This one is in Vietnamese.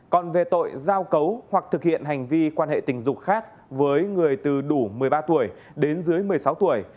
còn về tội giao cấu hoặc thực hiện hành vi quan hệ tình dục khác với người từ đủ một mươi ba tuổi đến dưới một mươi sáu tuổi